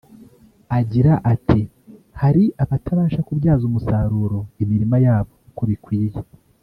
agira ati “Hari abatabasha kubyaza umusaruro imirima yabo uko bikwiye